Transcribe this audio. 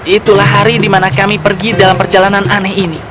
itulah hari di mana kami pergi dalam perjalanan aneh ini